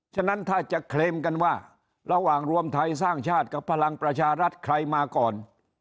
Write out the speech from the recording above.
ฉะนั้นถ้าจะเคลมกันว่าระหว่างรวมไทยสร้างชาติกับพลังประชารัฐใครมาก่อน